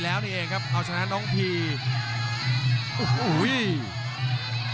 และอัพพิวัตรสอสมนึก